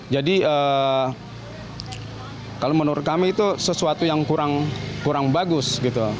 jadi kalau menurut kami itu sesuatu yang kurang bagus gitu